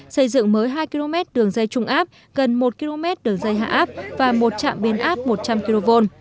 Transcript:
xây dựng mới hai km đường dây trung áp gần một km đường dây hạ áp và một trạm biến áp một trăm linh kv